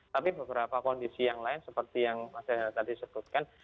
tapi beberapa kondisi yang lain seperti yang mas daniel tadi sebutkan